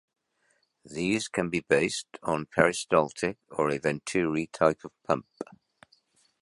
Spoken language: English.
These can be based on peristaltic or a venturi type of pump.